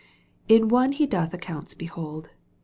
In one he doth accounts behold.